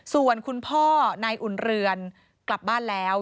ส่วนคุณพ่อนายอุ่นเรือนกลับบ้านแล้ว